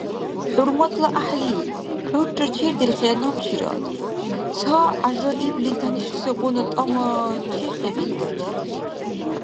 – ХӀурматла гӀяхӀли, гӀурра чердерхирая набчирад, – ца гӀяжаибли тянишсигъуна тӀама чехиб илдачи.